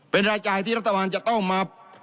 เป็นรายจ่ายที่รัฐบาลจะต้องมา